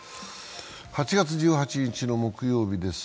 ８月１８日の木曜日です。